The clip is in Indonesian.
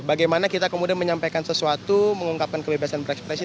bagaimana kita kemudian menyampaikan sesuatu mengungkapkan kebebasan berekspresi